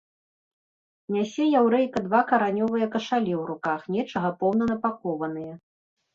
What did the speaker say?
Нясе яўрэйка два каранёвыя кашалі ў руках, нечага поўна напакованыя.